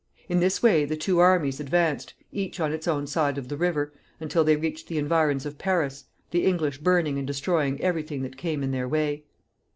In this way the two armies advanced, each on its own side of the river, until they reached the environs of Paris, the English burning and destroying every thing that came in their way.